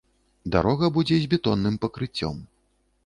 Дарога будзе з бетонным пакрыццём.